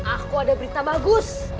aku ada berita bagus